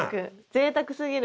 ぜいたくすぎる。